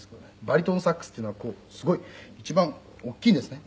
バリトンサックスっていうのはすごい一番大きいんですね」